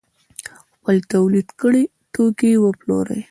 خپل تولید کړي توکي وپلوري.